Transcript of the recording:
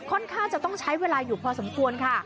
ค่อนข้างจะต้องใช้เวลาอยู่พอสมควรค่ะ